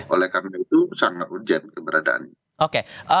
oleh karena itu sangat urgent keberadaan ini